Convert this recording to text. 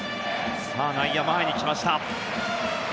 内野、前に来ました。